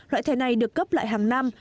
loại thẻ này được cấp lại hàng năm